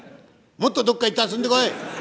「もっとどっかへ行って遊んでこい！」。